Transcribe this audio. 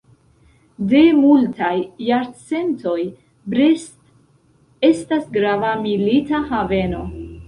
De multaj jarcentoj, Brest estas grava milita haveno.